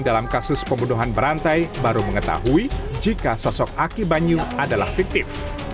dalam kasus pembunuhan berantai baru mengetahui jika sosok aki banyu adalah fiktif